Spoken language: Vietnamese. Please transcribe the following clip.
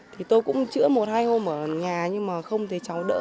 thì tôi cũng chữa một hai hôm ở nhà nhưng mà không thấy cháu đỡ